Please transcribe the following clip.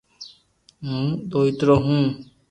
ھون دوئيترو ھون